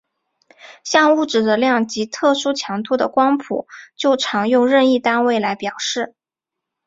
像物质的量及特殊强度的光谱就常用任意单位来表示。